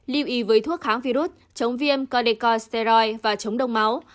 lưu ý với thuốc kháng virus chống viêm corticosteroid và chống đông máu